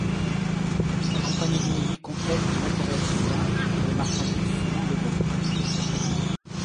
La Compagnie du Midi complète le matériel roulant pour les marchandises suivant les besoins.